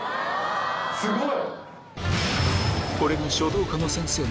すごい！